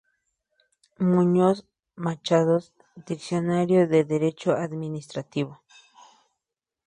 Muñoz Machado, S. Diccionario de Derecho Administrativo.